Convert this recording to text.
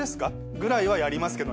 ぐらいはやりますけど。